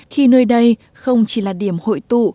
khi nơi đây không chỉ là điểm hội tụ